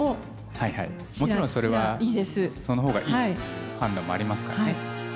もちろんそれはそのほうがいいという判断もありますからね。